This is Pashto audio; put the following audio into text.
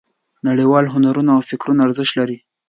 نړیوال هنرونه او فکرونه ارزښت لري.